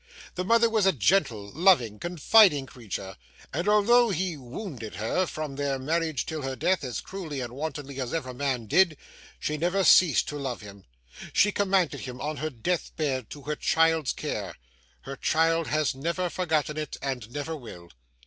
The mother was a gentle, loving, confiding creature, and although he wounded her from their marriage till her death as cruelly and wantonly as ever man did, she never ceased to love him. She commended him on her death bed to her child's care. Her child has never forgotten it, and never will.